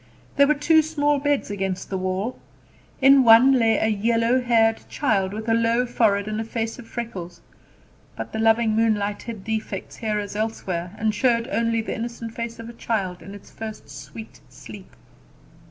There were two small beds against the wall. In one lay a yellow haired child, with a low forehead and a face of freckles; but the loving moonlight hid defects here as elsewhere, and showed only the innocent face of a child in its first sweet sleep.